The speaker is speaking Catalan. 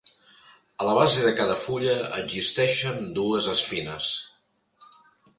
A la base de cada fulla existeixen dues espines.